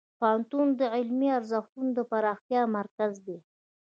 پوهنتون د علمي ارزښتونو د پراختیا مرکز دی.